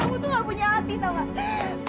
aku tuh gak punya hati tau gak